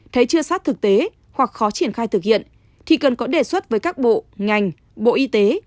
thấy chưa sát thực tế hoặc khó triển khai thực hiện thì cần có đề xuất với các bộ ngành bộ y tế